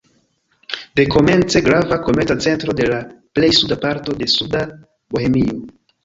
Dekomence grava komerca centro de la plej suda parto de Suda Bohemio.